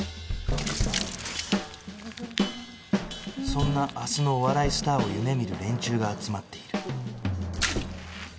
そんな明日のお笑いスターを夢見る連中が集まっている